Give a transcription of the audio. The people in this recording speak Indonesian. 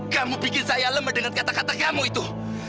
kamu bikin saya lemah dengan kata kata kamu itu